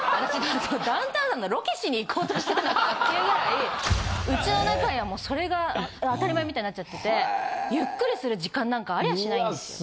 ダウンタウンさんのロケしに行こうとしてたのかっていうぐらいうちの中にはそれが当たり前みたいになっちゃっててゆっくりする時間なんかありゃしないんですよ。